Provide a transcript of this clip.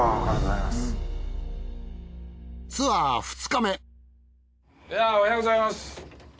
いやおはようございます。